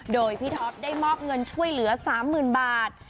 โดยพี่ท็อปได้มอบเงินช่วยเหลือ๓๐๐๐บาท